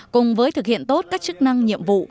cùng với thực hiện tốt các chức năng nhiệm vụ